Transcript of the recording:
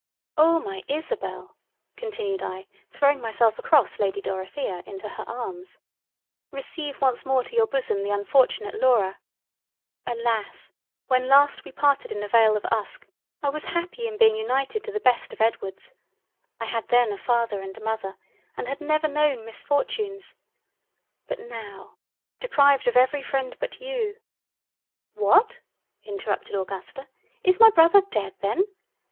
"Oh! my Isabel (continued I throwing myself across Lady Dorothea into her arms) receive once more to your Bosom the unfortunate Laura. Alas! when we last parted in the Vale of Usk, I was happy in being united to the best of Edwards; I had then a Father and a Mother, and had never known misfortunes—But now deprived of every freind but you—" "What! (interrupted Augusta) is my Brother dead then?